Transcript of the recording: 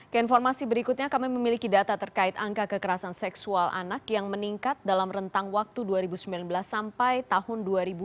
keinformasi berikutnya kami memiliki data terkait angka kekerasan seksual anak yang meningkat dalam rentang waktu dua ribu sembilan belas sampai tahun dua ribu dua puluh